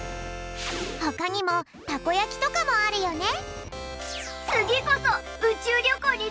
ほかにもたこやきとかもあるよね。